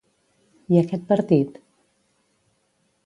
I aquest partit?